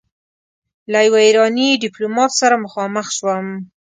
له يوه ايراني ډيپلومات سره مخامخ شوم.